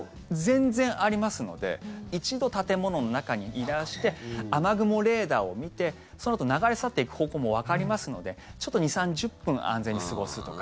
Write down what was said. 全然ありますので一度、建物の中にいらして雨雲レーダーを見てそのあと流れ去っていく方向もわかりますのでちょっと２０３０分安全に過ごすとか。